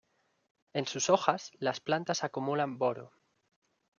En sus hojas, las plantas acumulan boro.